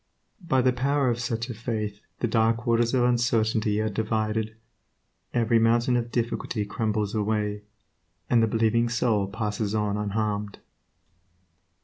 By the power of such a faith the dark waters of uncertainty are divided, every mountain of difficulty crumbles away, and the believing soul passes on unharmed.